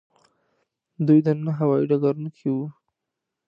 دوی دننه هوايي ډګر کې وو.